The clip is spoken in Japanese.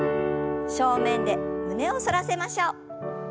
正面で胸を反らせましょう。